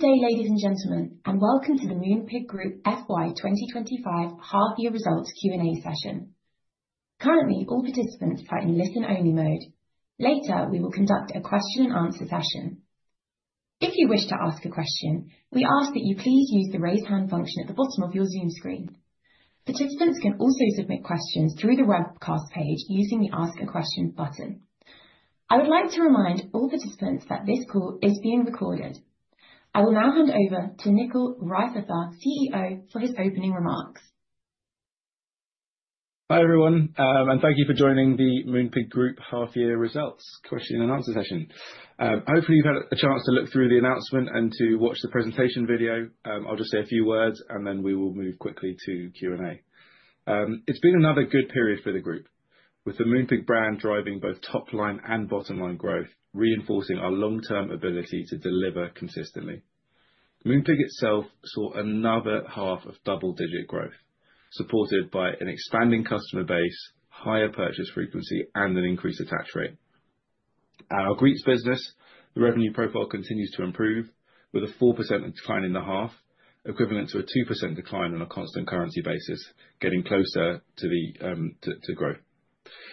Good day, ladies and gentlemen, and welcome to the Moonpig Group FY 2025 half-year results Q&A session. Currently, all participants are in listen-only mode. Later, we will conduct a question-and-answer session. If you wish to ask a question, we ask that you please use the raise hand function at the bottom of your Zoom screen. Participants can also submit questions through the webcast page using the ask a question button. I would like to remind all participants that this call is being recorded. I will now hand over to Nickyl Raithatha, CEO, for his opening remarks. Hi everyone, and thank you for joining the Moonpig Group half-year results question and answer session. Hopefully, you've had a chance to look through the announcement and to watch the presentation video. I'll just say a few words, and then we will move quickly to Q&A. It's been another good period for the group, with the Moonpig brand driving both top-line and bottom-line growth, reinforcing our long-term ability to deliver consistently. Moonpig itself saw another half of double-digit growth, supported by an expanding customer base, higher purchase frequency, and an increased attach rate. At our Greetz business, the revenue profile continues to improve, with a 4% decline in the half, equivalent to a 2% decline on a constant currency basis, getting closer to growth.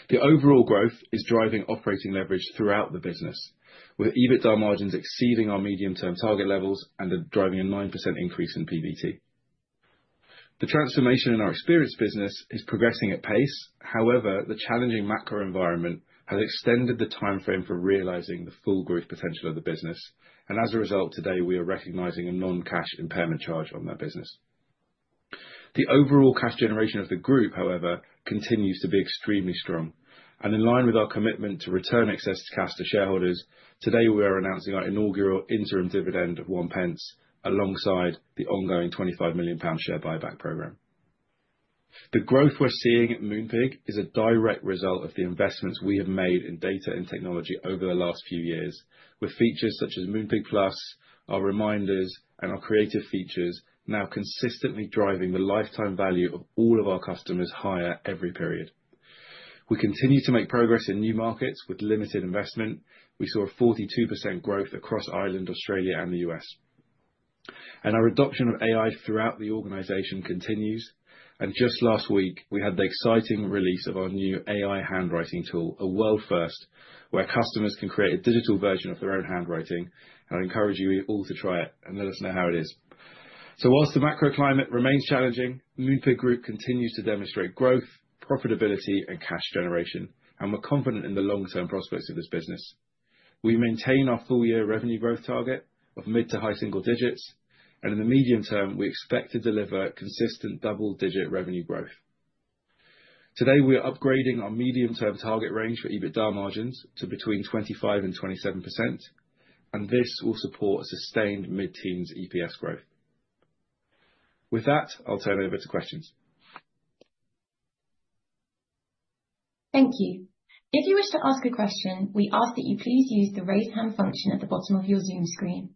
The overall growth is driving operating leverage throughout the business, with EBITDA margins exceeding our medium-term target levels and driving a 9% increase in PBT. The transformation in our experience business is progressing at pace. However, the challenging macro environment has extended the timeframe for realizing the full growth potential of the business, and as a result, today we are recognizing a non-cash impairment charge on that business. The overall cash generation of the group, however, continues to be extremely strong, and in line with our commitment to return excess cash to shareholders, today we are announcing our inaugural interim dividend of 0.01, alongside the ongoing 25 million pound share buyback program. The growth we're seeing at Moonpig is a direct result of the investments we have made in data and technology over the last few years, with features such as Moonpig Plus, our reminders, and our creative features now consistently driving the lifetime value of all of our customers higher every period. We continue to make progress in new markets with limited investment. We saw 42% growth across Ireland, Australia, and the US, and our adoption of AI throughout the organization continues, and just last week we had the exciting release of our new AI handwriting tool, a world first, where customers can create a digital version of their own handwriting. I encourage you all to try it and let us know how it is, so whilst the macro climate remains challenging, Moonpig Group continues to demonstrate growth, profitability, and cash generation, and we're confident in the long-term prospects of this business. We maintain our full-year revenue growth target of mid to high single digits, and in the medium term, we expect to deliver consistent double-digit revenue growth. Today we are upgrading our medium-term target range for EBITDA margins to between 25% and 27%, and this will support sustained mid-teens EPS growth. With that, I'll turn it over to questions. Thank you. If you wish to ask a question, we ask that you please use the raise hand function at the bottom of your Zoom screen.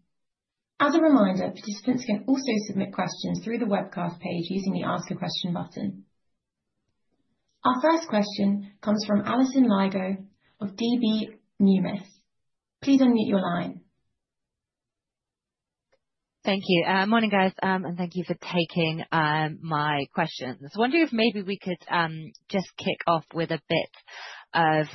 As a reminder, participants can also submit questions through the webcast page using the ask a question button. Our first question comes from Alison Lygo of Deutsche Numis. Please unmute your line. Thank you. Morning, guys, and thank you for taking my questions. Wondering if maybe we could just kick off with a bit of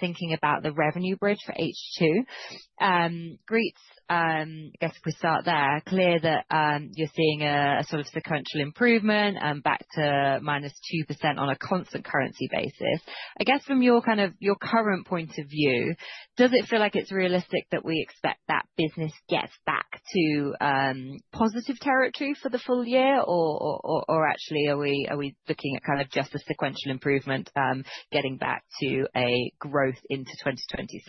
thinking about the revenue bridge for H2. Greetz, I guess if we start there, clear that you're seeing a sort of sequential improvement back to -2% on a constant currency basis. I guess from your kind of your current point of view, does it feel like it's realistic that we expect that business gets back to positive territory for the full year, or actually are we looking at kind of just a sequential improvement getting back to a growth into 2026?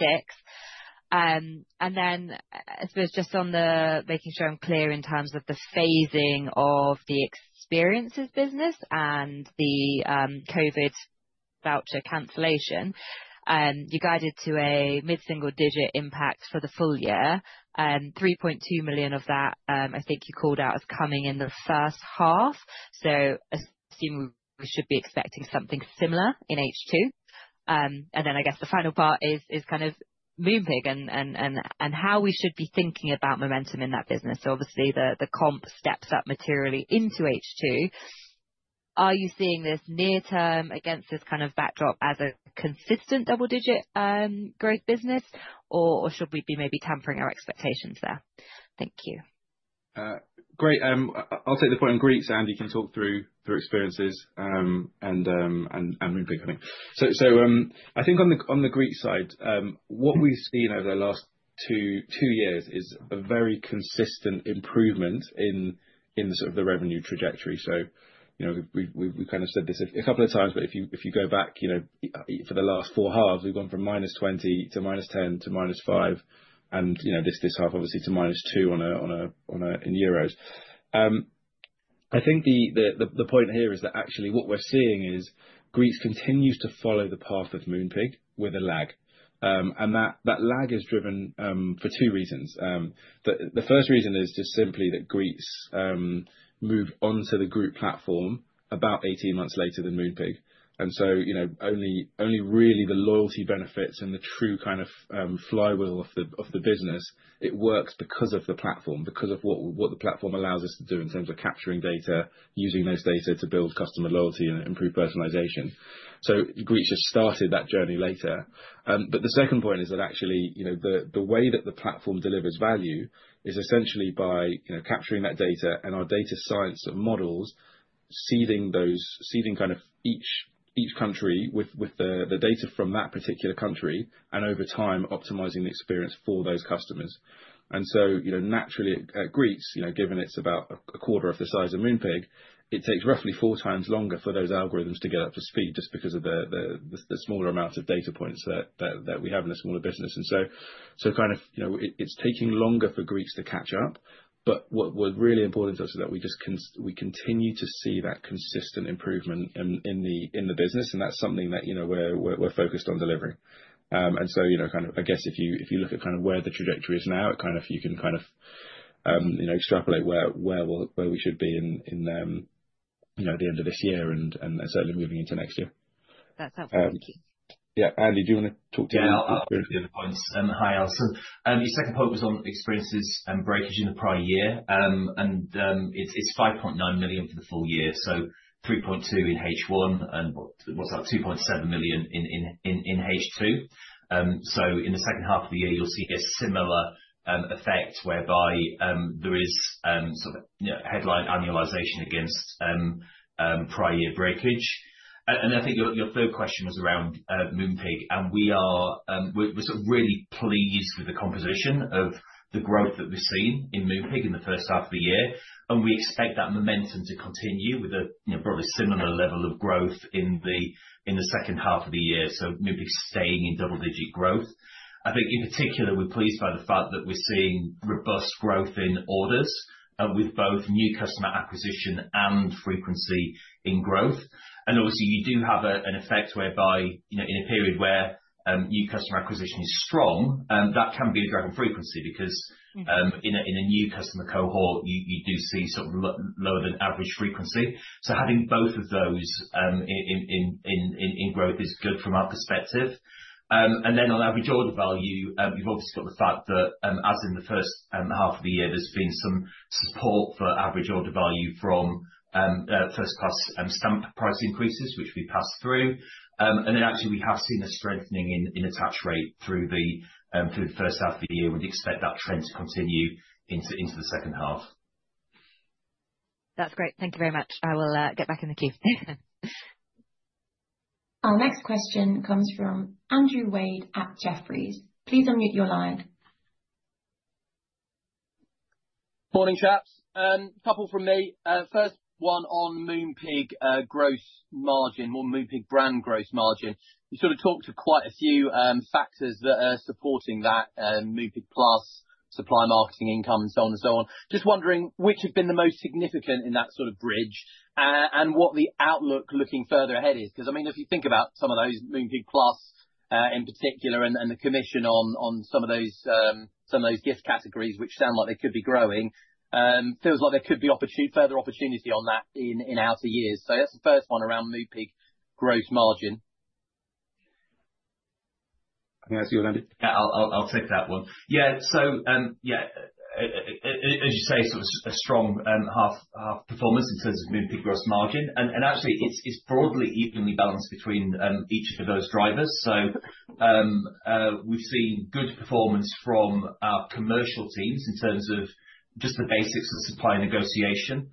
And then I suppose just on making sure I'm clear in terms of the phasing of the experiences business and the COVID voucher cancellation, you guided to a mid-single digit impact for the full year, and 3.2 million of that I think you called out as coming in the first half. So assume we should be expecting something similar in H2. And then I guess the final part is kind of Moonpig and how we should be thinking about momentum in that business. So obviously the comp steps up materially into H2. Are you seeing this near term against this kind of backdrop as a consistent double-digit growth business, or should we be maybe tempering our expectations there? Thank you. Great. I'll take the point on Greetz, and you can talk through experiences and Moonpig coming. So I think on the Greetz side, what we've seen over the last two years is a very consistent improvement in the sort of the revenue trajectory. So we kind of said this a couple of times, but if you go back for the last four halves, we've gone from -20% to -10% to -5%, and this half obviously to -2% in euros. I think the point here is that actually what we're seeing is Greetz continues to follow the path of Moonpig with a lag. And that lag is driven for two reasons. The first reason is just simply that Greetz moved onto the group platform about 18 months later than Moonpig. And so only really the loyalty benefits and the true kind of flywheel of the business, it works because of the platform, because of what the platform allows us to do in terms of capturing data, using those data to build customer loyalty and improve personalization. So Greetz just started that journey later. But the second point is that actually the way that the platform delivers value is essentially by capturing that data and our data science models, seeding kind of each country with the data from that particular country, and over time optimizing the experience for those customers. And so naturally at Greetz, given it's about a quarter of the size of Moonpig, it takes roughly four times longer for those algorithms to get up to speed just because of the smaller amount of data points that we have in a smaller business. And so kind of it's taking longer for Greetz to catch up, but what was really important to us is that we continue to see that consistent improvement in the business, and that's something that we're focused on delivering. And so kind of I guess if you look at kind of where the trajectory is now, it kind of you can kind of extrapolate where we should be in the end of this year and certainly moving into next year. That's helpful. Thank you. Yeah, Andy, do you want to talk through your experience? Yeah, I'll go to the other points. Hi, Alison. Your second point was on experiences and breakage in the prior year, and it's 5.9 million for the full year, so 3.2 million in H1 and what's that, 2.7 million in H2. So in the second half of the year, you'll see a similar effect whereby there is sort of headline annualization against prior year breakage. I think your third question was around Moonpig, and we're sort of really pleased with the composition of the growth that we've seen in Moonpig in the first half of the year, and we expect that momentum to continue with a probably similar level of growth in the second half of the year, so Moonpig staying in double-digit growth. I think in particular, we're pleased by the fact that we're seeing robust growth in orders with both new customer acquisition and frequency in growth. Obviously, you do have an effect whereby in a period where new customer acquisition is strong, that can be a driving frequency because in a new customer cohort, you do see sort of lower than average frequency. Having both of those in growth is good from our perspective. Then on average order value, you've obviously got the fact that as in the first half of the year, there's been some support for average order value from first-class stamp price increases, which we passed through. Then actually we have seen a strengthening in attach rate through the first half of the year, and we expect that trend to continue into the second half. That's great. Thank you very much. I will get back in the queue. Our next question comes from Andrew Wade at Jefferies. Please unmute your line. Morning, chaps. A couple from me. First one on Moonpig gross margin, more Moonpig brand gross margin. You sort of talked to quite a few factors that are supporting that, Moonpig Plus, supply marketing income, and so on and so on. Just wondering which have been the most significant in that sort of bridge and what the outlook looking further ahead is? Because I mean, if you think about some of those Moonpig Plus in particular and the commission on some of those gift categories, which sound like they could be growing, feels like there could be further opportunity on that in outer years. So that's the first one around Moonpig gross margin. I think that's yours, Andy. Yeah, I'll take that one. Yeah, so yeah, as you say, sort of a strong half performance in terms of Moonpig gross margin, and actually it's broadly evenly balanced between each of those drivers. So we've seen good performance from our commercial teams in terms of just the basics of supply negotiation.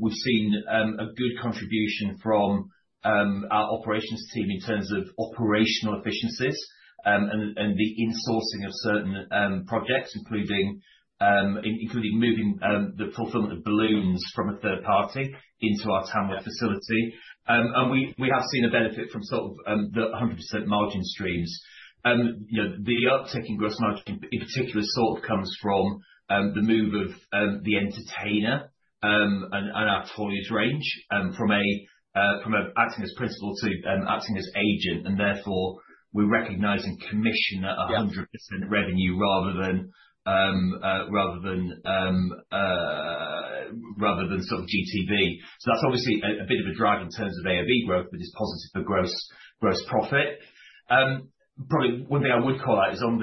We've seen a good contribution from our operations team in terms of operational efficiencies and the insourcing of certain projects, including moving the fulfillment of balloons from a third party into our Tamworth facility. And we have seen a benefit from sort of the 100% margin streams. The uptick in gross margin in particular sort of comes from the move of The Entertainer and our toys range from acting as principal to acting as agent, and therefore we're recognizing commission at 100% revenue rather than sort of GTV. So that's obviously a bit of a drag in terms of AOV growth, but it's positive for gross profit. Probably one thing I would call out is on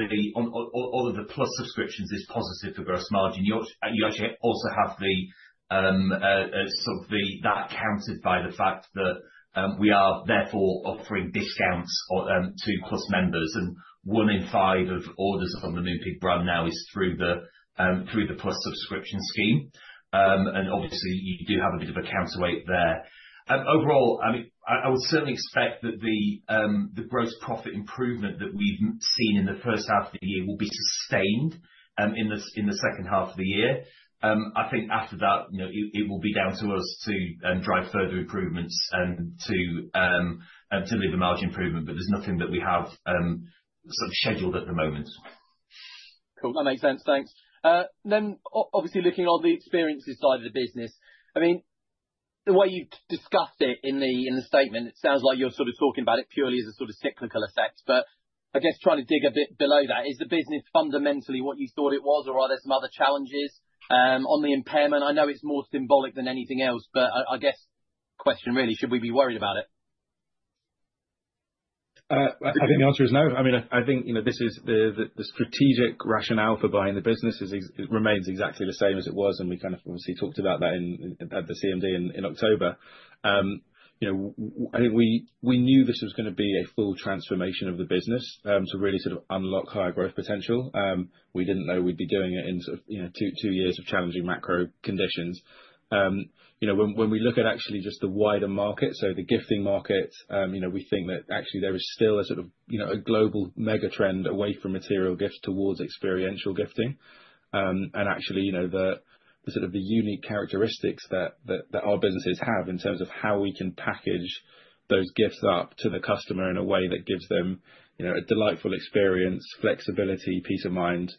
all of the Plus subscriptions is positive for gross margin. You actually also have that sort of counteracted by the fact that we are therefore offering discounts to Plus members, and one in five of orders on the Moonpig brand now is through the Plus subscription scheme. And obviously, you do have a bit of a counterweight there. Overall, I would certainly expect that the gross profit improvement that we've seen in the first half of the year will be sustained in the second half of the year. I think after that, it will be down to us to drive further improvements and to deliver margin improvement, but there's nothing that we have sort of scheduled at the moment. Cool. That makes sense. Thanks. Then obviously looking on the experiences side of the business, I mean, the way you've discussed it in the statement, it sounds like you're sort of talking about it purely as a sort of cyclical effect, but I guess trying to dig a bit below that, is the business fundamentally what you thought it was, or are there some other challenges on the impairment? I know it's more symbolic than anything else, but I guess question really, should we be worried about it? I think the answer is no. I mean, I think this is the strategic rationale for buying the business remains exactly the same as it was, and we kind of obviously talked about that at the CMD in October. I think we knew this was going to be a full transformation of the business to really sort of unlock higher growth potential. We didn't know we'd be doing it in sort of two years of challenging macro conditions. When we look at actually just the wider market, so the gifting market, we think that actually there is still a sort of a global mega trend away from material gifts towards experiential gifting. Actually, the sort of unique characteristics that our businesses have in terms of how we can package those gifts up to the customer in a way that gives them a delightful experience, flexibility, peace of mind,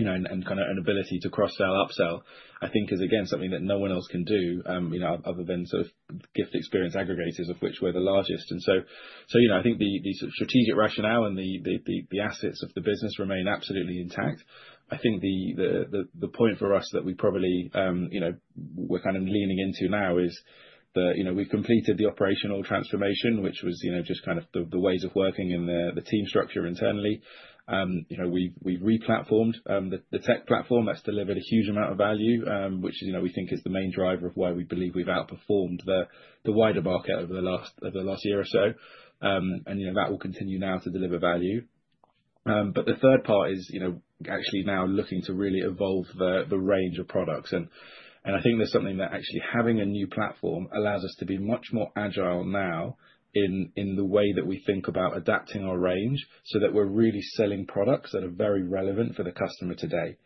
and kind of an ability to cross-sell, upsell. I think is again something that no one else can do other than sort of gift experience aggregators of which we're the largest. I think the sort of strategic rationale and the assets of the business remain absolutely intact. I think the point for us that we probably kind of leaning into now is that we've completed the operational transformation, which was just kind of the ways of working and the team structure internally. We've replatformed the tech platform that's delivered a huge amount of value, which we think is the main driver of why we believe we've outperformed the wider market over the last year or so. And that will continue now to deliver value. But the third part is actually now looking to really evolve the range of products. And I think there's something that actually having a new platform allows us to be much more agile now in the way that we think about adapting our range so that we're really selling products that are very relevant for the customer today.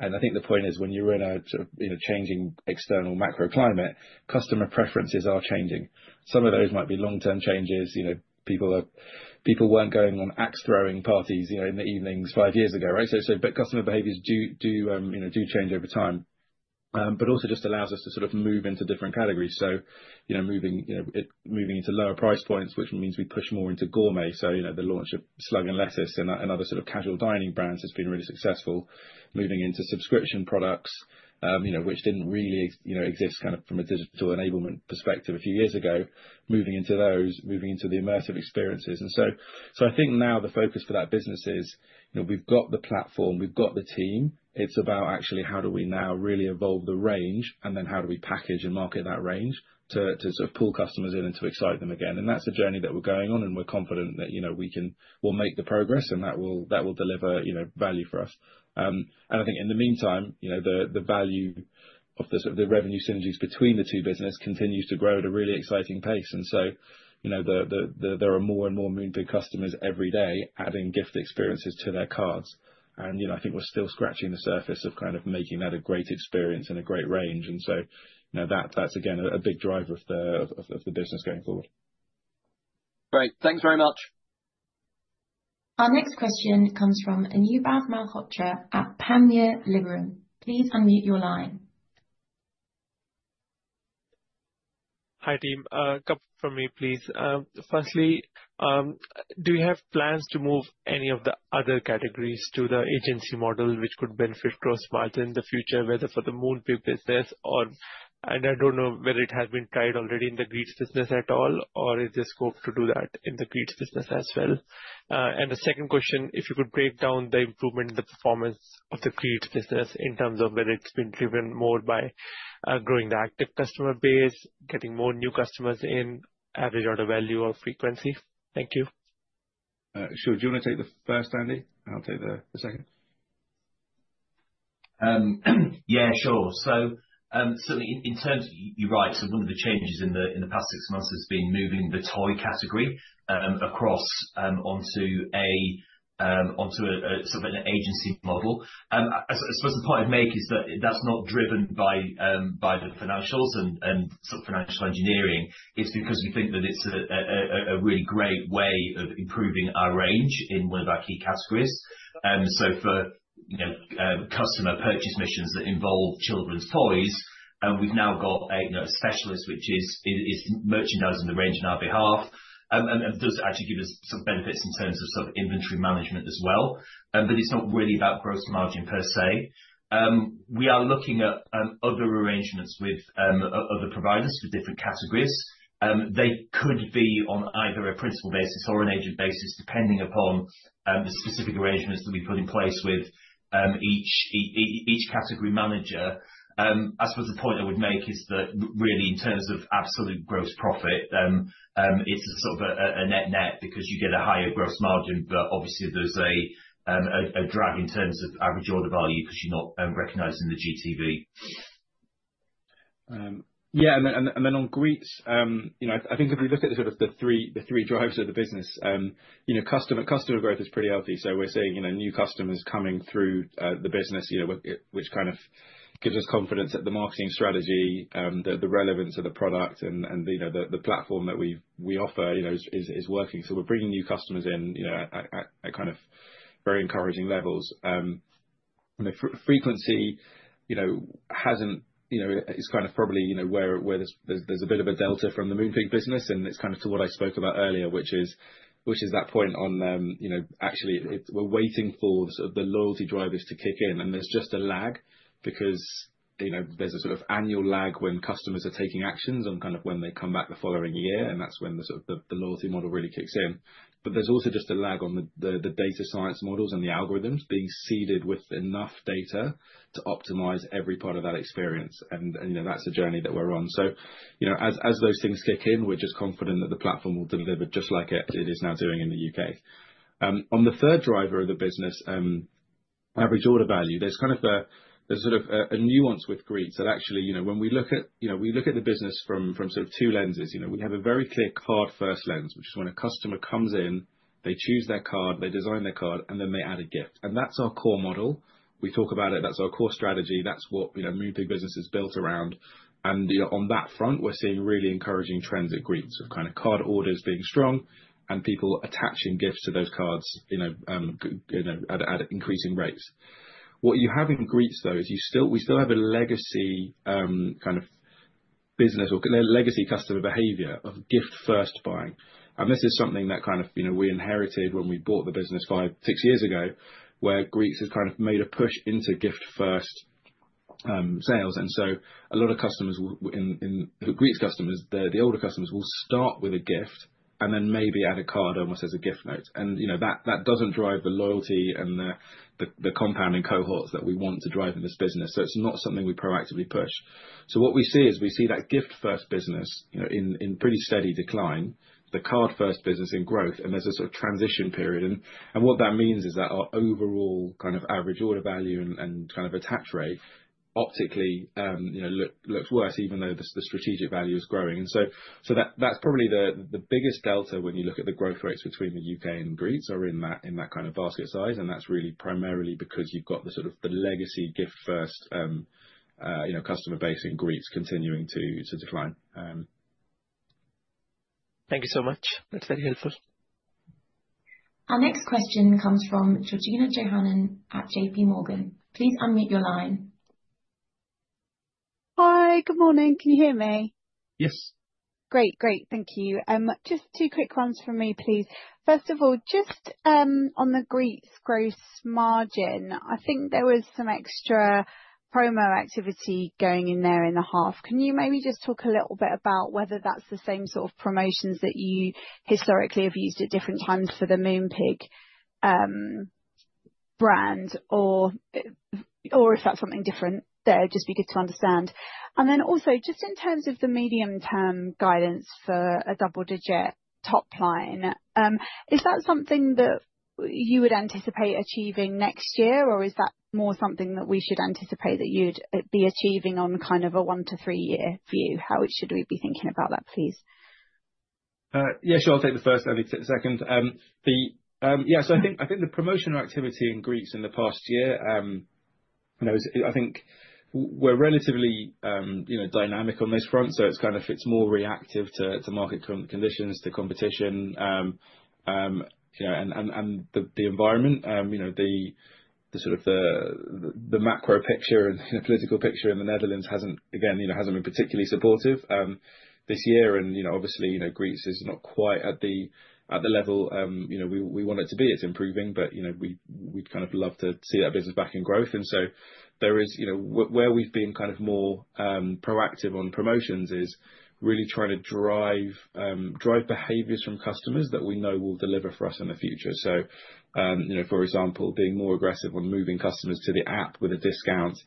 And I think the point is when you're in a sort of changing external macro climate, customer preferences are changing. Some of those might be long-term changes. People weren't going on axe-throwing parties in the evenings five years ago, right? Customer behaviors do change over time, but also just allows us to sort of move into different categories. Moving into lower price points, which means we push more into gourmet. The launch of Slug & Lettuce and other sort of casual dining brands has been really successful. Moving into subscription products, which didn't really exist kind of from a digital enablement perspective a few years ago, moving into those, moving into the immersive experiences. I think now the focus for that business is we've got the platform, we've got the team. It's about actually how do we now really evolve the range and then how do we package and market that range to sort of pull customers in and to excite them again. That's a journey that we're going on, and we're confident that we can make the progress, and that will deliver value for us. I think in the meantime, the value of the sort of revenue synergies between the two businesses continues to grow at a really exciting pace. So there are more and more Moonpig customers every day adding gift experiences to their cards. I think we're still scratching the surface of kind of making that a great experience and a great range. That's again a big driver of the business going forward. Great. Thanks very much. Our next question comes from Anubhav Malhotra at Panmure Liberum. Please unmute your line. Hi team. A couple from me, please. Firstly, do you have plans to move any of the other categories to the agency model, which could benefit gross margin in the future, whether for the Moonpig business, or I don't know whether it has been tried already in the Greetz business at all, or is there scope to do that in the Greetz business as well? And the second question, if you could break down the improvement in the performance of the Greetz business in terms of whether it's been driven more by growing the active customer base, getting more new customers in, average order value, or frequency. Thank you. Sure. Do you want to take the first, Andy? And I'll take the second. Yeah, sure. So certainly in terms of you're right, so one of the changes in the past six months has been moving the toy category across onto a sort of an agency model. I suppose the point I'd make is that that's not driven by the financials and sort of financial engineering. It's because we think that it's a really great way of improving our range in one of our key categories. So for customer purchase missions that involve children's toys, we've now got a specialist which is merchandising the range on our behalf and does actually give us some benefits in terms of sort of inventory management as well. But it's not really about gross margin per se. We are looking at other arrangements with other providers for different categories. They could be on either a principal basis or an agent basis, depending upon the specific arrangements that we put in place with each category manager. I suppose the point I would make is that really in terms of absolute gross profit, it's sort of a net-net because you get a higher gross margin, but obviously there's a drag in terms of average order value because you're not recognizing the GTV. Yeah. And then on Greetz, I think if we look at the three drivers of the business, customer growth is pretty healthy. So we're seeing new customers coming through the business, which kind of gives us confidence that the marketing strategy, the relevance of the product, and the platform that we offer is working. So we're bringing new customers in at kind of very encouraging levels. Frequency is kind of probably where there's a bit of a delta from the Moonpig business, and it's kind of to what I spoke about earlier, which is that point on actually we're waiting for the loyalty drivers to kick in, and there's just a lag because there's a sort of annual lag when customers are taking actions on kind of when they come back the following year, and that's when the loyalty model really kicks in. But there's also just a lag on the data science models and the algorithms being seeded with enough data to optimize every part of that experience. And that's the journey that we're on. So as those things kick in, we're just confident that the platform will deliver just like it is now doing in the UK. On the third driver of the business, average order value, there's kind of a nuance with Greetz that actually when we look at the business from sort of two lenses, we have a very clear card-first lens, which is when a customer comes in, they choose their card, they design their card, and then they add a gift. And that's our core model. We talk about it. That's our core strategy. That's what Moonpig business is built around. And on that front, we're seeing really encouraging trends at Greetz of kind of card orders being strong and people attaching gifts to those cards at increasing rates. What you have in Greetz, though, is we still have a legacy kind of business or legacy customer behavior of gift-first buying. And this is something that kind of we inherited when we bought the business five, six years ago where Greetz has kind of made a push into gift-first sales. And so a lot of customers in Greetz, the older customers, will start with a gift and then maybe add a card almost as a gift note. And that doesn't drive the loyalty and the compounding cohorts that we want to drive in this business. So it's not something we proactively push. So what we see is we see that gift-first business in pretty steady decline, the card-first business in growth, and there's a sort of transition period. And what that means is that our overall kind of average order value and kind of attach rate optically looks worse even though the strategic value is growing. And so that's probably the biggest delta when you look at the growth rates between the UK and Greetz are in that kind of basket size. And that's really primarily because you've got the sort of the legacy gift-first customer base in Greetz continuing to decline. Thank you so much. That's very helpful. Our next question comes from Georgina Johanan at J.P. Morgan. Please unmute your line. Hi, good morning. Can you hear me? Yes. Great, great. Thank you. Just two quick ones for me, please. First of all, just on the Greetz gross margin, I think there was some extra promo activity going in there in the half. Can you maybe just talk a little bit about whether that's the same sort of promotions that you historically have used at different times for the Moonpig brand, or if that's something different, that would just be good to understand? And then also just in terms of the medium-term guidance for a double-digit top line, is that something that you would anticipate achieving next year, or is that more something that we should anticipate that you'd be achieving on kind of a one- to three-year view? How should we be thinking about that, please? Yeah, sure. I'll take the first, Andy. Take the second. Yeah, so I think the promotional activity in Greetz in the past year, I think we're relatively dynamic on this front. So it's kind of more reactive to market conditions, to competition, and the environment. The sort of the macro picture and the political picture in the Netherlands hasn't, again, been particularly supportive this year. And obviously, Greetz is not quite at the level we want it to be. It's improving, but we'd kind of love to see that business back in growth. And so where we've been kind of more proactive on promotions is really trying to drive behaviors from customers that we know will deliver for us in the future. So, for example, being more aggressive on moving customers to the app with a discount,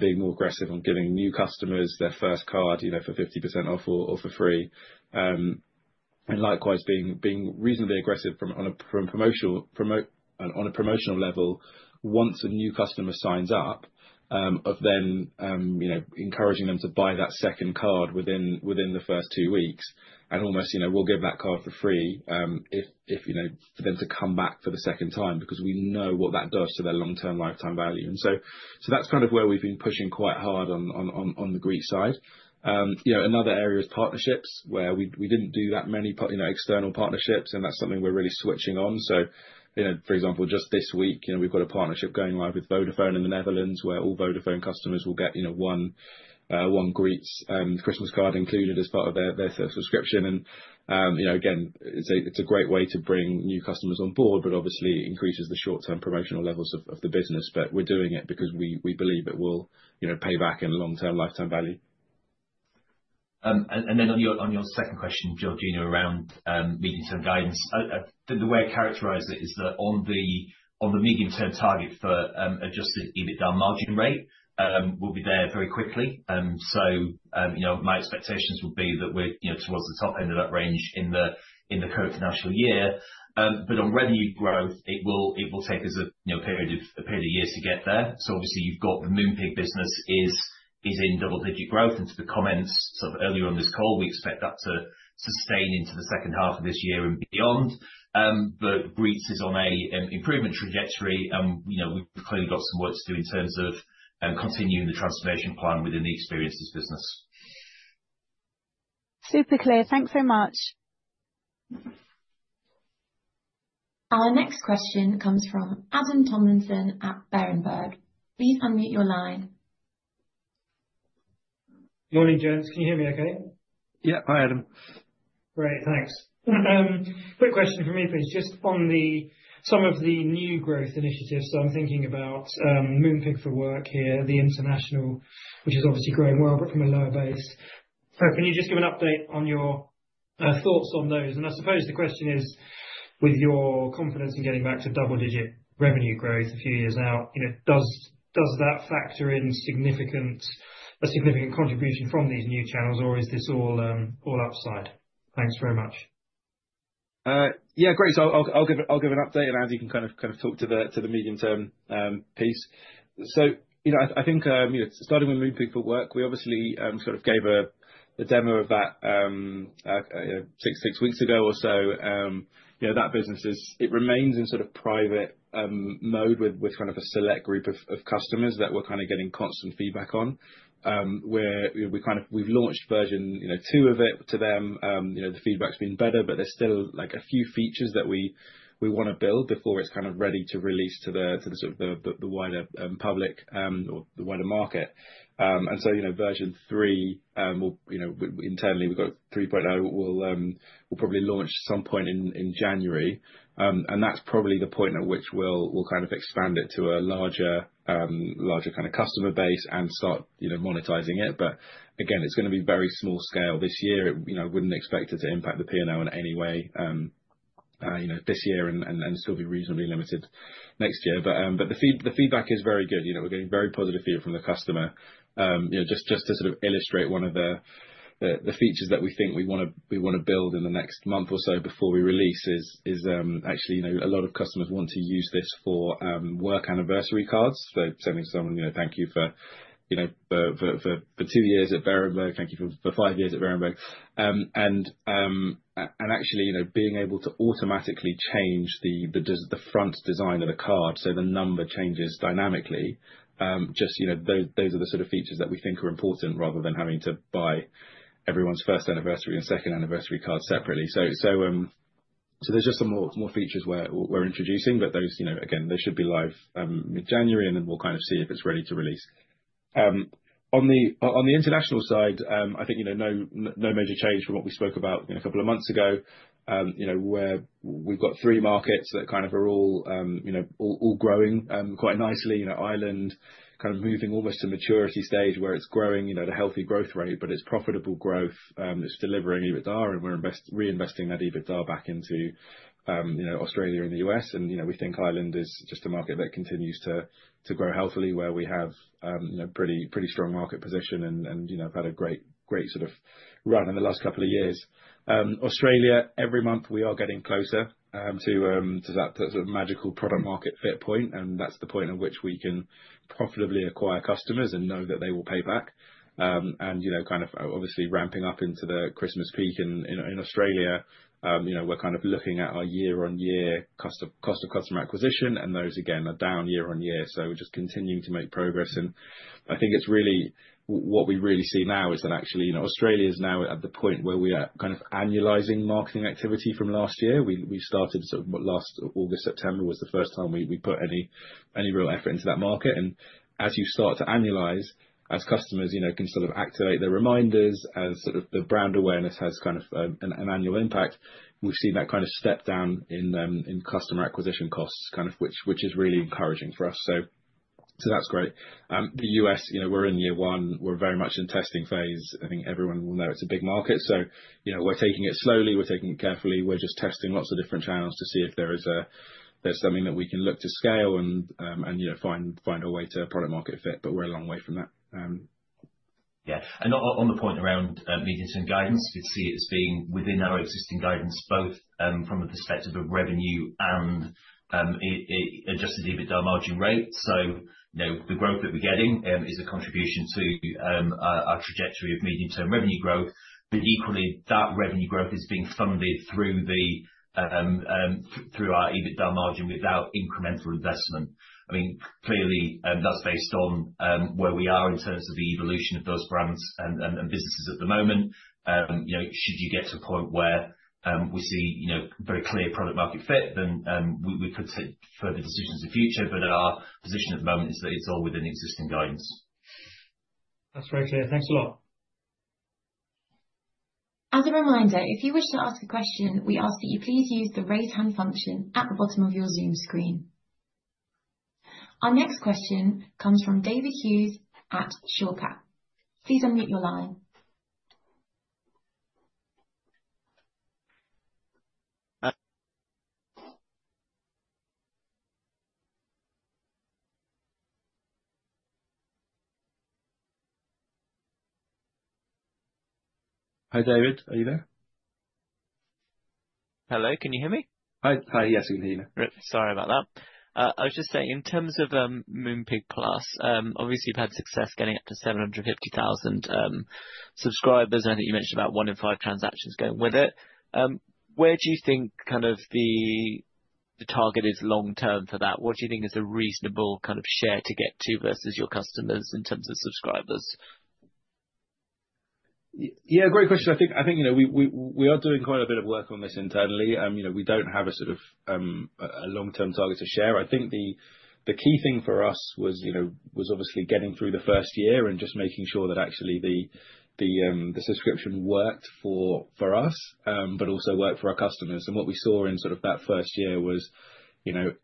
being more aggressive on giving new customers their first card for 50% off or for free. And likewise, being reasonably aggressive on a promotional level once a new customer signs up, of then encouraging them to buy that second card within the first two weeks and almost, "We'll give that card for free for them to come back for the second time," because we know what that does to their long-term lifetime value. And so that's kind of where we've been pushing quite hard on the Greetz side. Another area is partnerships where we didn't do that many external partnerships, and that's something we're really switching on. So, for example, just this week, we've got a partnership going live with Vodafone in the Netherlands where all Vodafone customers will get one Greetz Christmas card included as part of their subscription. And again, it's a great way to bring new customers on board, but obviously increases the short-term promotional levels of the business. But we're doing it because we believe it will pay back in long-term lifetime value. Then on your second question, Georgina, around medium-term guidance, the way I characterize it is that on the medium-term target for Adjusted EBITDA margin rate, we'll be there very quickly, so my expectations would be that we're towards the top end of that range in the current financial year, but on revenue growth, it will take us a period of years to get there, so obviously, you've got the Moonpig business is in double-digit growth, and to the comments sort of earlier on this call, we expect that to sustain into the second half of this year and beyond, but Greetz is on an improvement trajectory, and we've clearly got some work to do in terms of continuing the transformation plan within the experiences business. Super clear. Thanks so much. Our next question comes from Adam Tomlinson at Berenberg. Please unmute your line. Morning, Gents. Can you hear me okay? Yeah. Hi, Adam. Great. Thanks. Quick question for me, please. Just on some of the new growth initiatives. So I'm thinking about Moonpig for Work here, the international, which is obviously growing well, but from a lower base. So can you just give an update on your thoughts on those? And I suppose the question is, with your confidence in getting back to double-digit revenue growth a few years out, does that factor in a significant contribution from these new channels, or is this all upside? Thanks very much. Yeah, great. So I'll give an update, and Andy can kind of talk to the medium-term piece. So I think starting with Moonpig for Work, we obviously sort of gave a demo of that six weeks ago or so. That business, it remains in sort of private mode with kind of a select group of customers that we're kind of getting constant feedback on. We've launched version two of it to them. The feedback's been better, but there's still a few features that we want to build before it's kind of ready to release to the sort of the wider public or the wider market. And so version three, internally, we've got 3.0, we'll probably launch at some point in January. And that's probably the point at which we'll kind of expand it to a larger kind of customer base and start monetizing it. But again, it's going to be very small scale this year. I wouldn't expect it to impact the P&L in any way this year and still be reasonably limited next year. But the feedback is very good. We're getting very positive feedback from the customer. Just to sort of illustrate one of the features that we think we want to build in the next month or so before we release is actually a lot of customers want to use this for work anniversary cards. So sending someone, "Thank you for two years at Berenberg. Thank you for five years at Berenberg." And actually being able to automatically change the front design of the card so the number changes dynamically, just those are the sort of features that we think are important rather than having to buy everyone's first anniversary and second anniversary card separately. So there's just some more features we're introducing, but again, they should be live mid-January, and then we'll kind of see if it's ready to release. On the international side, I think no major change from what we spoke about a couple of months ago where we've got three markets that kind of are all growing quite nicely. Ireland, kind of moving almost to maturity stage where it's growing at a healthy growth rate, but it's profitable growth. It's delivering EBITDA, and we're reinvesting that EBITDA back into Australia and the U.S. And we think Ireland is just a market that continues to grow healthily where we have a pretty strong market position and have had a great sort of run in the last couple of years. Australia, every month, we are getting closer to that sort of magical product-market fit point. And that's the point at which we can profitably acquire customers and know that they will pay back. And kind of obviously ramping up into the Christmas peak in Australia, we're kind of looking at our year-on-year cost of customer acquisition, and those, again, are down year-on-year. So we're just continuing to make progress. And I think what we really see now is that actually Australia is now at the point where we are kind of annualizing marketing activity from last year. We started sort of last August, September was the first time we put any real effort into that market. And as you start to annualize, as customers can sort of activate their reminders, as sort of the brand awareness has kind of an annual impact, we've seen that kind of step down in customer acquisition costs, kind of which is really encouraging for us. So that's great. The U.S., we're in year one. We're very much in testing phase. I think everyone will know it's a big market. So we're taking it slowly. We're taking it carefully. We're just testing lots of different channels to see if there's something that we can look to scale and find a way to product-market fit, but we're a long way from that. Yeah. And on the point around medium-term guidance, we'd see it as being within our existing guidance, both from the perspective of revenue and Adjusted EBITDA margin rate. So the growth that we're getting is a contribution to our trajectory of medium-term revenue growth. But equally, that revenue growth is being funded through our EBITDA margin without incremental investment. I mean, clearly, that's based on where we are in terms of the evolution of those brands and businesses at the moment. Should you get to a point where we see very clear product-market fit, then we could take further decisions in the future. But our position at the moment is that it's all within existing guidance. That's very clear. Thanks a lot. As a reminder, if you wish to ask a question, we ask that you please use the raise hand function at the bottom of your Zoom screen. Our next question comes from David Hughes at Shore Capital. Please unmute your line. Hi, David. Are you there? Hello. Can you hear me? Hi. Yes, I can hear you. Great. Sorry about that. I was just saying, in terms of Moonpig Plus, obviously, you've had success getting up to 750,000 subscribers. I think you mentioned about one in five transactions going with it. Where do you think kind of the target is long-term for that? What do you think is a reasonable kind of share to get to versus your customers in terms of subscribers? Yeah, great question. I think we are doing quite a bit of work on this internally. We don't have a sort of long-term target to share. I think the key thing for us was obviously getting through the first year and just making sure that actually the subscription worked for us, but also worked for our customers. And what we saw in sort of that first year was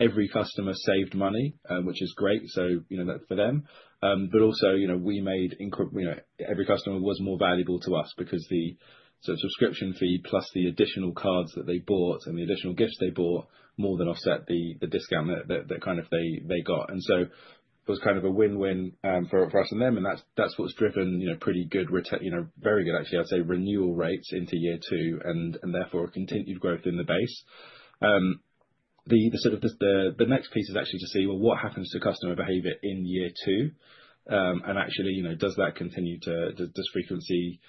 every customer saved money, which is great, so for them. But also, every customer was more valuable to us because the subscription fee plus the additional cards that they bought and the additional gifts they bought more than offset the discount that kind of they got. And so it was kind of a win-win for us and them. And that's what's driven pretty good, very good, actually, I'd say, renewal rates into year two and therefore continued growth in the base. The next piece is actually to see, well, what happens to customer behavior in year two? And actually, does that continue to frequency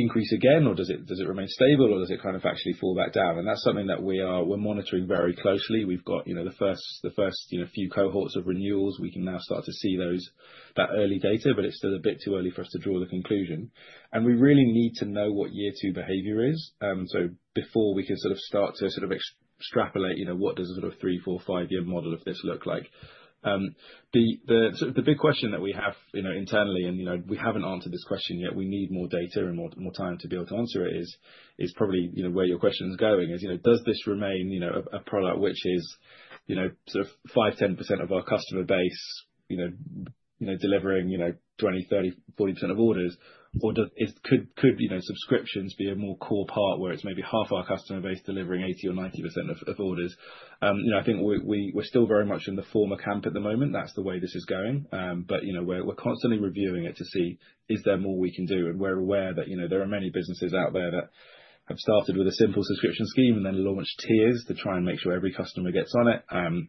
increase again, or does it remain stable, or does it kind of actually fall back down? And that's something that we're monitoring very closely. We've got the first few cohorts of renewals. We can now start to see that early data, but it's still a bit too early for us to draw the conclusion. And we really need to know what year two behavior is so before we can sort of start to sort of extrapolate what does a sort of three, four, five-year model of this look like. The big question that we have internally, and we haven't answered this question yet, we need more data and more time to be able to answer it, is probably where your question's going is, does this remain a product which is sort of 5%-10% of our customer base delivering 20%-40% of orders, or could subscriptions be a more core part where it's maybe half our customer base delivering 80% or 90% of orders? I think we're still very much in the former camp at the moment. That's the way this is going. But we're constantly reviewing it to see, is there more we can do? And we're aware that there are many businesses out there that have started with a simple subscription scheme and then launched tiers to try and make sure every customer gets on it.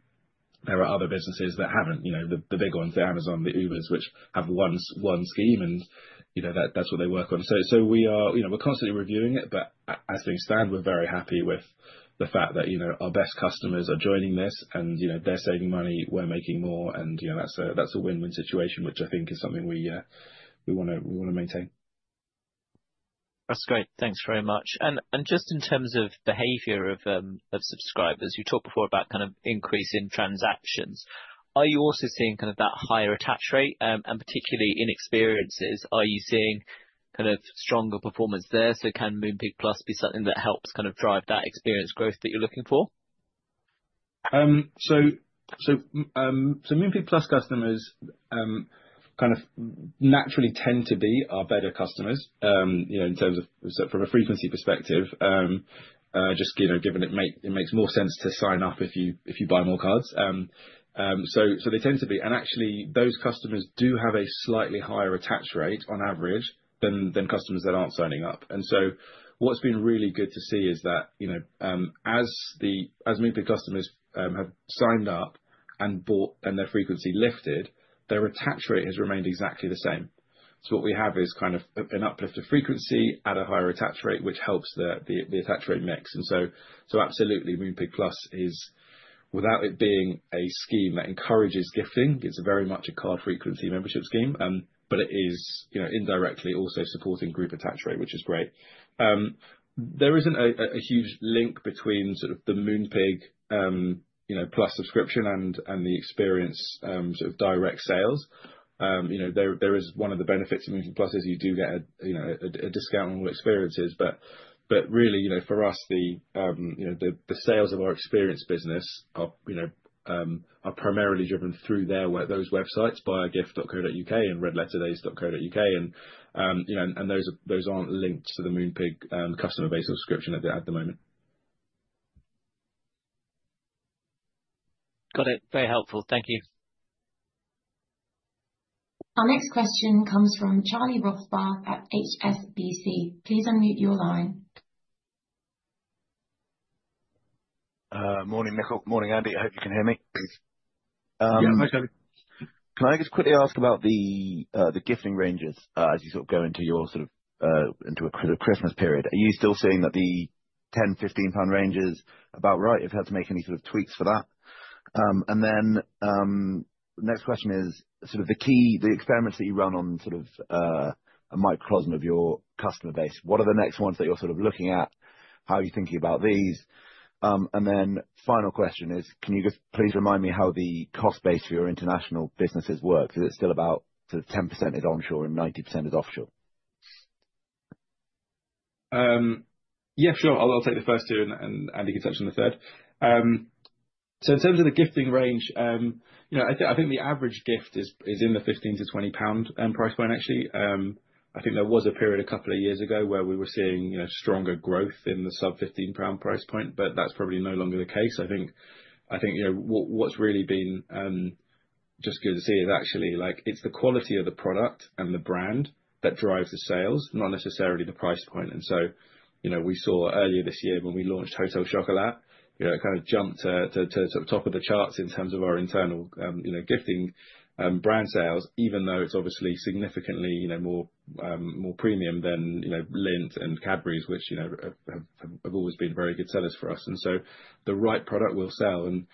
There are other businesses that haven't, the big ones, the Amazon, the Ubers, which have one scheme, and that's what they work on. So we're constantly reviewing it. But as things stand, we're very happy with the fact that our best customers are joining this, and they're saving money. We're making more. And that's a win-win situation, which I think is something we want to maintain. That's great. Thanks very much. And just in terms of behavior of subscribers, you talked before about kind of increase in transactions. Are you also seeing kind of that higher attach rate? And particularly in experiences, are you seeing kind of stronger performance there? So can Moonpig Plus be something that helps kind of drive that experience growth that you're looking for? Moonpig Plus customers kind of naturally tend to be our better customers in terms of from a frequency perspective, just given it makes more sense to sign up if you buy more cards. So they tend to be. And actually, those customers do have a slightly higher attach rate on average than customers that aren't signing up. And so what's been really good to see is that as Moonpig customers have signed up and bought and their frequency lifted, their attach rate has remained exactly the same. So what we have is kind of an uplift of frequency at a higher attach rate, which helps the attach rate mix. And so absolutely, Moonpig Plus is, without it being a scheme that encourages gifting, it's very much a card frequency membership scheme, but it is indirectly also supporting group attach rate, which is great. There isn't a huge link between sort of the Moonpig Plus subscription and the experience sort of direct sales. There is one of the benefits of Moonpig Plus is you do get a discount on all experiences. But really, for us, the sales of our experience business are primarily driven through those websites buyagift.co.uk and redletterdays.co.uk. And those aren't linked to the Moonpig customer base or subscription at the moment. Got it. Very helpful. Thank you. Our next question comes from Charlie Rothbarth at HSBC. Please unmute your line. Morning, Nickyl. Morning, Andy. I hope you can hear me. Yeah, thanks, Andy. Can I just quickly ask about the gifting ranges as you sort of go into a Christmas period? Are you still seeing that the £10-£15 ranges about right? Have you had to make any sort of tweaks for that? And then the next question is sort of the key, the experiments that you run on sort of a microcosm of your customer base. What are the next ones that you're sort of looking at? How are you thinking about these? And then final question is, can you just please remind me how the cost base for your international businesses works? Is it still about sort of 10% is onshore and 90% is offshore? Yeah, sure. I'll take the first two, and Andy can touch on the third. So in terms of the gifting range, I think the average gift is in the 15-20 pound price point, actually. I think there was a period a couple of years ago where we were seeing stronger growth in the sub-GBP 15 price point, but that's probably no longer the case. I think what's really been just good to see is actually it's the quality of the product and the brand that drives the sales, not necessarily the price point. And so we saw earlier this year when we launched Hotel Chocolat, it kind of jumped to the top of the charts in terms of our internal gifting brand sales, even though it's obviously significantly more premium than Lindt and Cadbury's, which have always been very good sellers for us. And so the right product will sell. And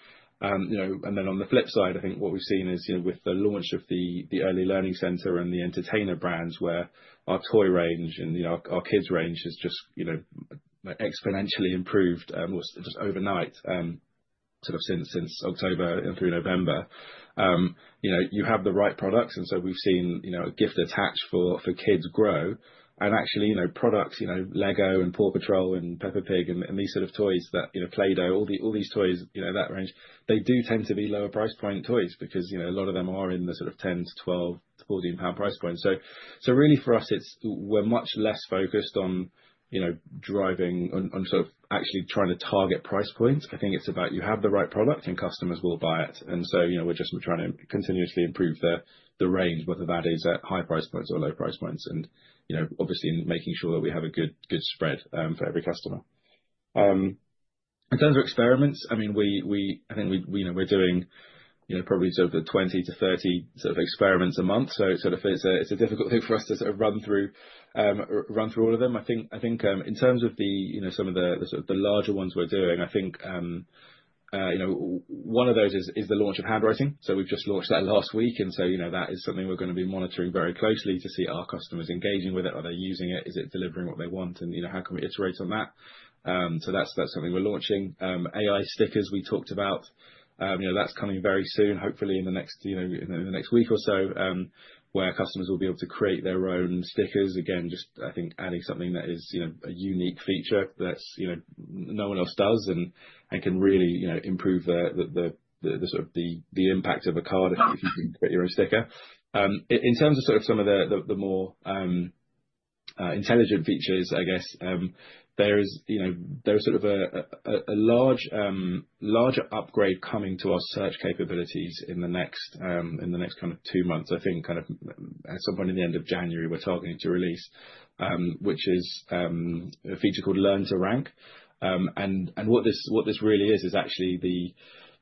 then on the flip side, I think what we've seen is with the launch of the Early Learning Centre and The Entertainer brands where our toy range and our kids' range has just exponentially improved just overnight sort of since October and through November. You have the right products, and so we've seen a gift attach for kids grow. And actually, products like Lego and Paw Patrol and Peppa Pig and these sort of toys, Play-Doh, all these toys, that range, they do tend to be lower price point toys because a lot of them are in the sort of 10 to 12 to 14-pound price point. So really for us, we're much less focused on driving on sort of actually trying to target price points. I think it's about you have the right product and customers will buy it. And so we're just trying to continuously improve the range, whether that is at high price points or low price points, and obviously making sure that we have a good spread for every customer. In terms of experiments, I mean, I think we're doing probably sort of the 20-30 sort of experiments a month. So it's a difficult thing for us to sort of run through all of them. I think in terms of some of the larger ones we're doing, I think one of those is the launch of handwriting. So we've just launched that last week. And so that is something we're going to be monitoring very closely to see our customers engaging with it. Are they using it? Is it delivering what they want? And how can we iterate on that? So that's something we're launching. AI stickers, we talked about. That's coming very soon, hopefully in the next week or so, where customers will be able to create their own stickers. Again, just I think adding something that is a unique feature that no one else does and can really improve the sort of the impact of a card if you can create your own sticker. In terms of sort of some of the more intelligent features, I guess there is sort of a larger upgrade coming to our search capabilities in the next kind of two months. I think kind of at some point in the end of January, we're targeting to release, which is a feature called Learn to Rank. And what this really is, is actually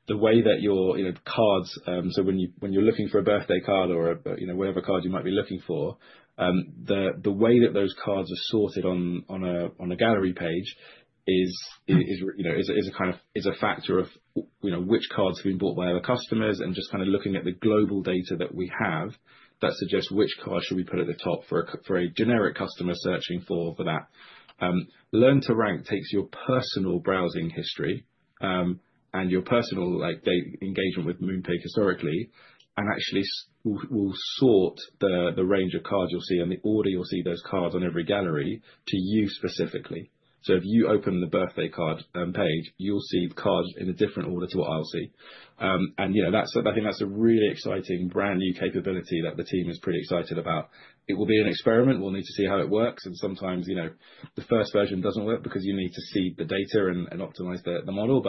the way that your cards, so when you're looking for a birthday card or whatever card you might be looking for, the way that those cards are sorted on a gallery page is a kind of factor of which cards have been bought by other customers and just kind of looking at the global data that we have that suggests which card should we put at the top for a generic customer searching for that. Learn to Rank takes your personal browsing history and your personal engagement with Moonpig historically and actually will sort the range of cards you'll see and the order you'll see those cards on every gallery to you specifically. So if you open the birthday card page, you'll see the cards in a different order to what I'll see. I think that's a really exciting brand new capability that the team is pretty excited about. It will be an experiment. We'll need to see how it works. Sometimes the first version doesn't work because you need to seed the data and optimize the model.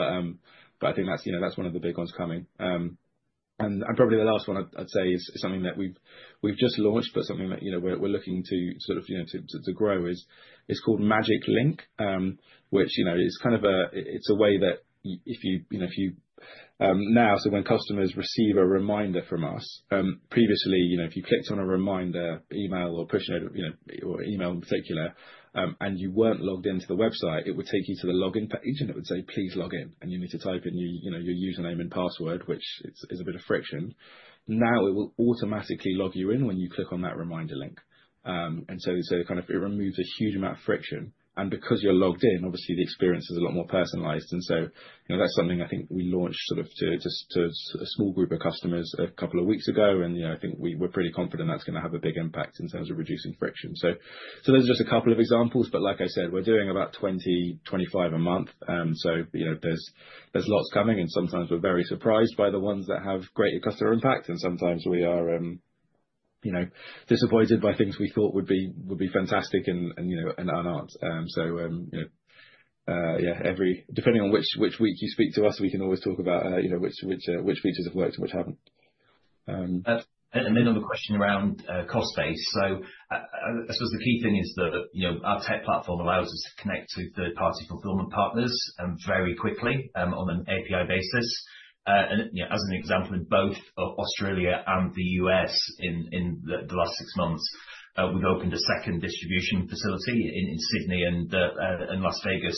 I think that's one of the big ones coming. Probably the last one I'd say is something that we've just launched, but something that we're looking to sort of grow is called Magic Link, which is kind of a way that if you know, so when customers receive a reminder from us, previously, if you clicked on a reminder email or push note or email in particular, and you weren't logged into the website, it would take you to the login page and it would say, "Please log in." And you need to type in your username and password, which is a bit of friction. Now it will automatically log you in when you click on that reminder link. And so kind of it removes a huge amount of friction. And because you're logged in, obviously the experience is a lot more personalized. And so that's something I think we launched sort of to a small group of customers a couple of weeks ago. And I think we're pretty confident that's going to have a big impact in terms of reducing friction. So those are just a couple of examples. But like I said, we're doing about 20, 25 a month. So there's lots coming. And sometimes we're very surprised by the ones that have greater customer impact. And sometimes we are disappointed by things we thought would be fantastic and aren't. So yeah, depending on which week you speak to us, we can always talk about which features have worked and which haven't. Then on the question around cost base, so I suppose the key thing is that our tech platform allows us to connect to third-party fulfillment partners very quickly on an API basis. And as an example, in both Australia and the U.S., in the last six months, we've opened a second distribution facility in Sydney and Las Vegas,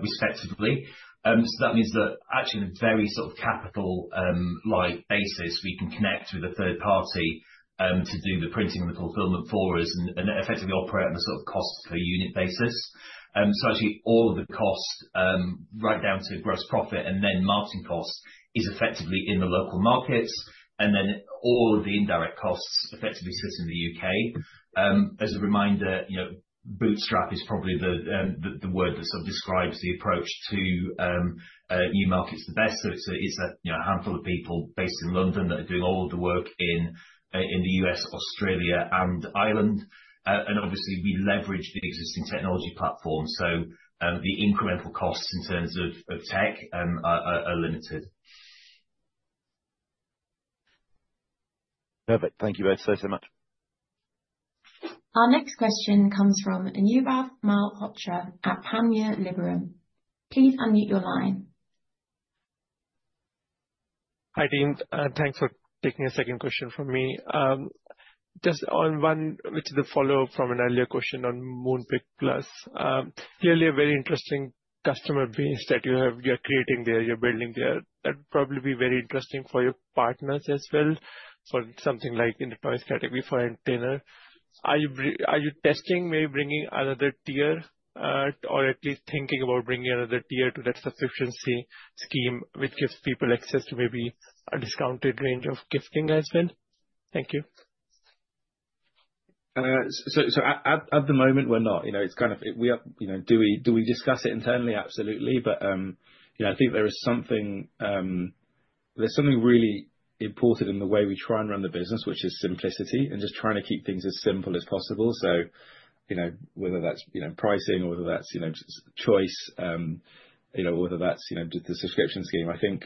respectively. So that means that actually in a very sort of capital-light basis, we can connect with a third party to do the printing and the fulfillment for us and effectively operate on a sort of cost per unit basis. So actually all of the cost, right down to gross profit and then marketing costs, is effectively in the local markets. And then all of the indirect costs effectively sit in the U.K. As a reminder, bootstrap is probably the word that sort of describes the approach to new markets the best, so it's a handful of people based in London that are doing all of the work in the U.S., Australia, and Ireland, and obviously, we leverage the existing technology platform, so the incremental costs in terms of tech are limited. Perfect. Thank you both so, so much. Our next question comes from Anubhav Malhotra at Panmure Liberum. Please unmute your line. Hi, Dean. Thanks for taking a second question from me. Just on one, which is a follow-up from an earlier question on Moonpig Plus. Clearly, a very interesting customer base that you are creating there, you're building there. That would probably be very interesting for your partners as well for something like in the toy category for The Entertainer. Are you testing, maybe bringing another tier, or at least thinking about bringing another tier to that subscription scheme, which gives people access to maybe a discounted range of gifting as well? Thank you. So at the moment, we're not. It's kind of do we discuss it internally? Absolutely. But I think there is something really important in the way we try and run the business, which is simplicity and just trying to keep things as simple as possible. So whether that's pricing or whether that's choice, whether that's the subscription scheme. I think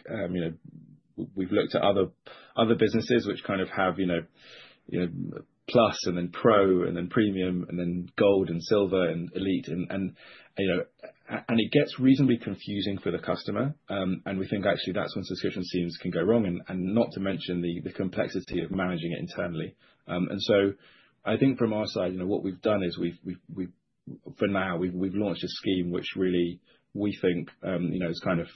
we've looked at other businesses which kind of have Plus and then Pro and then Premium and then Gold and Silver and Elite. And it gets reasonably confusing for the customer. And we think actually that's when subscription schemes can go wrong, and not to mention the complexity of managing it internally. And so I think from our side, what we've done is for now, we've launched a scheme which really we think kind of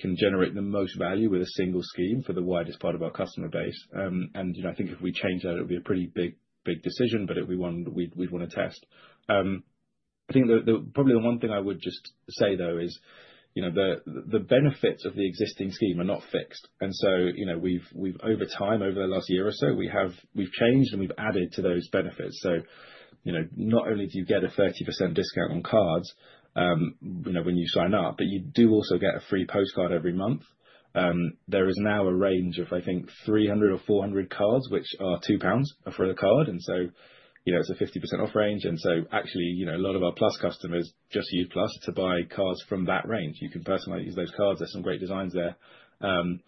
can generate the most value with a single scheme for the widest part of our customer base. And I think if we change that, it would be a pretty big decision, but it would be one we'd want to test. I think probably the one thing I would just say, though, is the benefits of the existing scheme are not fixed. And so over time, over the last year or so, we've changed and we've added to those benefits. So not only do you get a 30% discount on cards when you sign up, but you do also get a free postcard every month. There is now a range of, I think, 300 or 400 cards, which are 2 pounds for a card. It's a 50% off range. Actually, a lot of our Plus customers just use Plus to buy cards from that range. You can personally use those cards. There's some great designs there. There's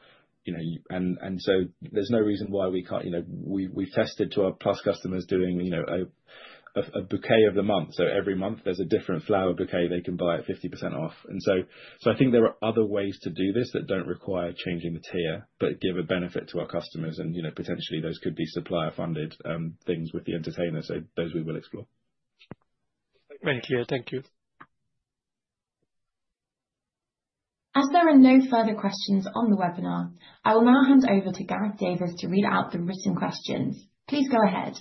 no reason why we can't. We've tested to our Plus customers doing a bouquet of the month. So every month, there's a different flower bouquet they can buy at 50% off. I think there are other ways to do this that don't require changing the tier, but give a benefit to our customers. And potentially, those could be supplier-funded things with the Entertainer. So those we will explore. Very clear. Thank you. As there are no further questions on the webinar, I will now hand over to Gareth Davis to read out the written questions. Please go ahead.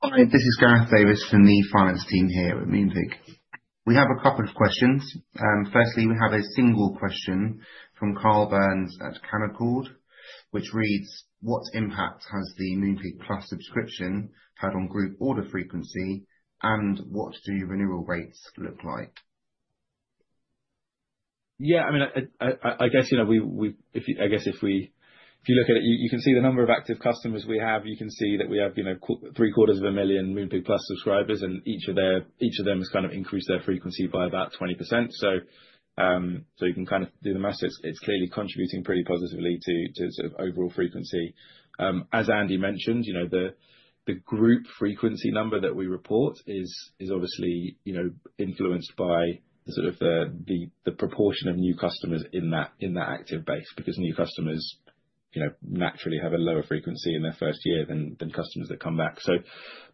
Hi, this is Gareth Davis from the finance team here at Moonpig. We have a couple of questions. Firstly, we have a single question from Karl Burns at Canaccord, which reads, "What impact has the Moonpig Plus subscription had on group order frequency, and what do renewal rates look like? Yeah, I mean, I guess if you look at it, you can see the number of active customers we have. You can see that we have 750,000 Moonpig Plus subscribers, and each of them has kind of increased their frequency by about 20%. So you can kind of do the math. It's clearly contributing pretty positively to sort of overall frequency. As Andy mentioned, the group frequency number that we report is obviously influenced by sort of the proportion of new customers in that active base because new customers naturally have a lower frequency in their first year than customers that come back.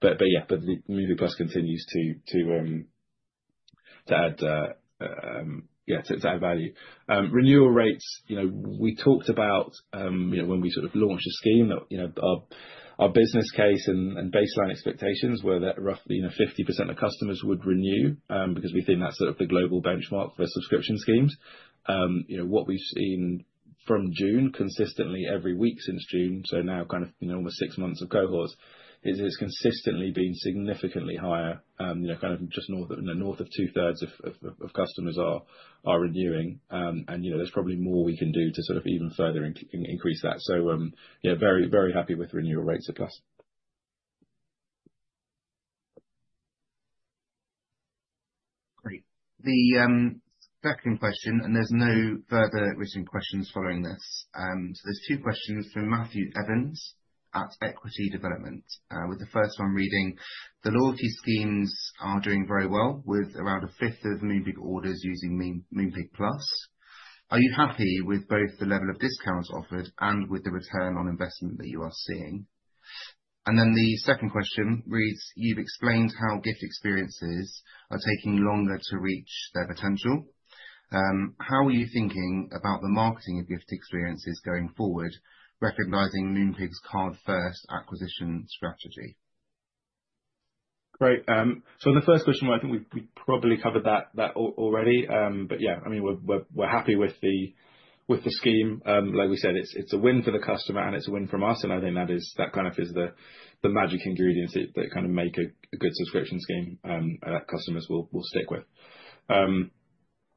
But yeah, but the Moonpig Plus continues to add value. Renewal rates, we talked about when we sort of launched the scheme. Our business case and baseline expectations were that roughly 50% of customers would renew because we think that's sort of the global benchmark for subscription schemes. What we've seen from June, consistently every week since June, so now kind of almost six months of cohorts, is it's consistently been significantly higher. Kind of just north of two-thirds of customers are renewing. And there's probably more we can do to sort of even further increase that. We are very happy with renewal rates at Plus. Great. The second question, and there's no further written questions following this. So there's two questions from Matthew Evans at Equity Development, with the first one reading, "The loyalty schemes are doing very well with around a fifth of Moonpig orders using Moonpig Plus. Are you happy with both the level of discounts offered and with the return on investment that you are seeing?" And then the second question reads, "You've explained how gift experiences are taking longer to reach their potential. How are you thinking about the marketing of gift experiences going forward, recognizing Moonpig's card-first acquisition strategy? Great. So the first question, I think we probably covered that already. But yeah, I mean, we're happy with the scheme. Like we said, it's a win for the customer, and it's a win for us. And I think that kind of is the magic ingredients that kind of make a good subscription scheme that customers will stick with.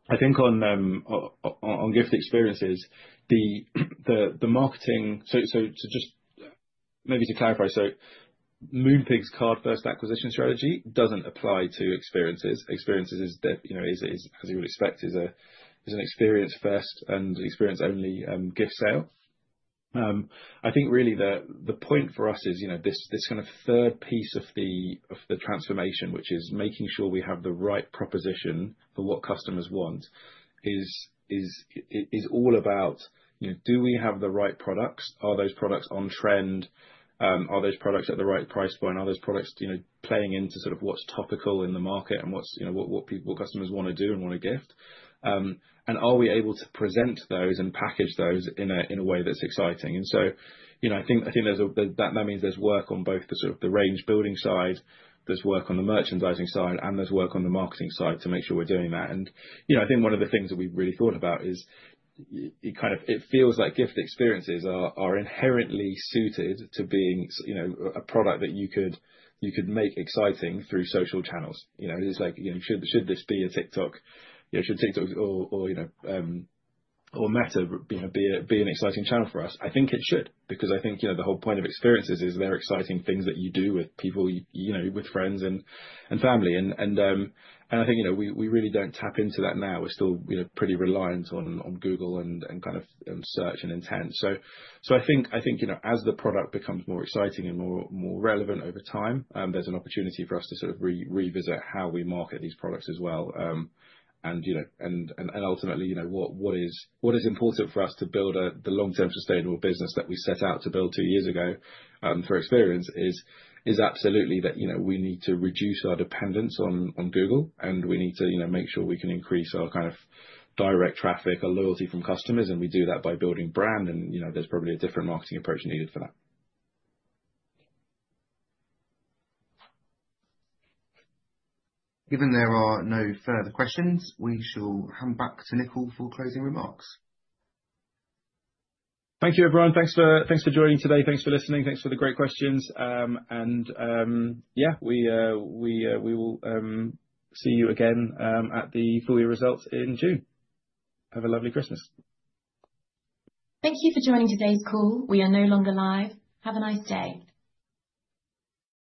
I think on gift experiences, the marketing, so just maybe to clarify, so Moonpig's card-first acquisition strategy doesn't apply to experiences. Experiences, as you would expect, is an experience-first and experience-only gift sale. I think really the point for us is this kind of third piece of the transformation, which is making sure we have the right proposition for what customers want, is all about, do we have the right products? Are those products on trend? Are those products at the right price point? Are those products playing into sort of what's topical in the market and what customers want to do and want to gift? And are we able to present those and package those in a way that's exciting? And so I think that means there's work on both the sort of range-building side, there's work on the merchandising side, and there's work on the marketing side to make sure we're doing that. And I think one of the things that we've really thought about is it kind of feels like gift experiences are inherently suited to being a product that you could make exciting through social channels. It's like, should this be a TikTok? Should TikTok or Meta be an exciting channel for us? I think it should because I think the whole point of experiences is they're exciting things that you do with people, with friends and family. I think we really don't tap into that now. We're still pretty reliant on Google and kind of search and intent. I think as the product becomes more exciting and more relevant over time, there's an opportunity for us to sort of revisit how we market these products as well. Ultimately, what is important for us to build the long-term sustainable business that we set out to build two years ago for experience is absolutely that we need to reduce our dependence on Google, and we need to make sure we can increase our kind of direct traffic, our loyalty from customers. We do that by building brand, and there's probably a different marketing approach needed for that. Given there are no further questions, we shall hand back to Nickyl for closing remarks. Thank you, everyone. Thanks for joining today. Thanks for listening. Thanks for the great questions. And yeah, we will see you again at the full year results in June. Have a lovely Christmas. Thank you for joining today's call. We are no longer live. Have a nice day.